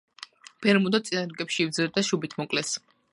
ბერმუდო წინა რიგებში იბრძოდა და შუბით მოკლეს.